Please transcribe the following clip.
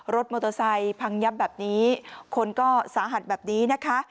รถมอเตอร์ไซค์พังยับแบบนี้คนก็สาหัสแบบนี้นะคะ